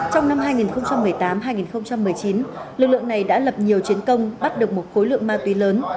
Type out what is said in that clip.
trong năm hai nghìn một mươi tám hai nghìn một mươi chín lực lượng này đã lập nhiều chiến công bắt được một khối lượng ma túy lớn